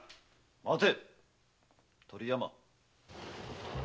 ・待て鳥山。